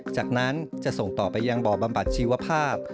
จากนั้นจะส่งต่อไปยังบ่อบำบัชชีวภาพ